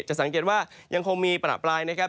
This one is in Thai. จะสังเกตว่ายังคงมีประปรายนะครับ